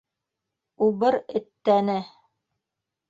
Убыр эттәне!